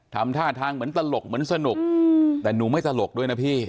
ทำท่าทางเหมือนตลกเหมือนสนุกแต่หนูไม่ตลกด้วยนะพี่